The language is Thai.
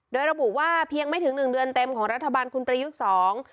โดยระบุว่าเพียงไม่ถึงหนึ่งเดือนเต็มของรัฐบาลคุณประยุทธ์สอง